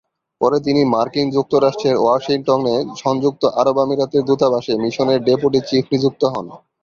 পরে তিনি মার্কিন যুক্তরাষ্ট্রের ওয়াশিংটন-এ সংযুক্ত আরব আমিরাতের দূতাবাসে মিশনের ডেপুটি চীফ নিযুক্ত হন।